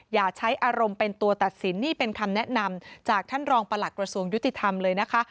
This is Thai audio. อย่าใช้อารมณ์เป็นตัวตัดสินนี่เป็นคำแนะนำจากท่านรองประหลักกระทรวงยุติธรรมเลยนะคะ